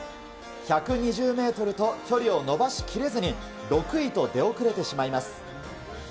１２０メートルと距離を伸ばしきれずに、６位と出遅れてしまいます。